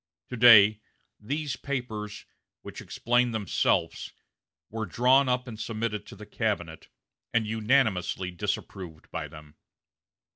To day, these papers, which explain themselves, were drawn up and submitted to the cabinet, and unanimously disapproved by them.